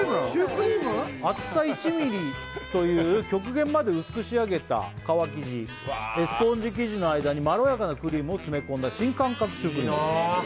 厚さ１ｍｍという極限まで薄く仕上げた皮生地スポンジ生地の間にまろやかなクリームを詰め込んだ新感覚シュークリームです